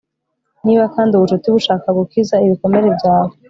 Niba kandi ubucuti bushaka gukiza ibikomere byawe